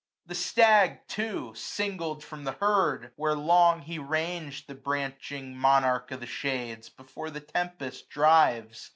425 The stag too, singled from the herd, where long He rang'd the branching monarch of the shades. Before the tempest drives.